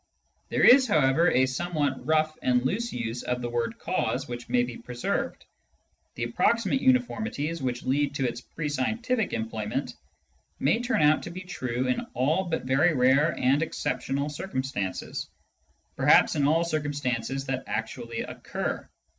There is, however, a somewhat rough and loose use of the word " cause " which may be pre served. The approximate uniformities which lead to its pre scientific employment may turn out to be true in all but very rare and exceptional circumstances, perhaps in all circumstances that actually occur.